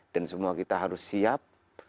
dan semua kita harus siap